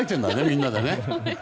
みんなで。